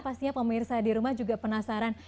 pastinya pemirsa di rumah juga penasaran